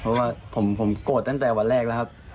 เพราะว่าผมโกรธตั้งแต่วันแรกแล้วครับ